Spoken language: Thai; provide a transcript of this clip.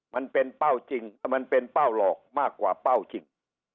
มันเป็นเป้าหลอกมากกว่าเป้าจริง